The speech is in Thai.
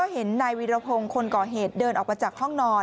เห็นนายวีรพงศ์คนก่อเหตุเดินออกมาจากห้องนอน